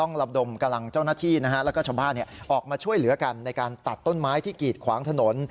ระดมกำลังเจ้าหน้าที่นะฮะแล้วก็ชาวบ้านออกมาช่วยเหลือกันในการตัดต้นไม้ที่กีดขวางถนน